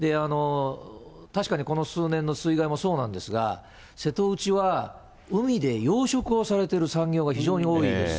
確かにこの数年の水害もそうなんですが、瀬戸内は海で養殖をされてる産業が非常に多いんです。